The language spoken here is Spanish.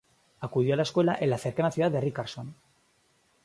Acudió a la escuela en la cercana ciudad de Richardson.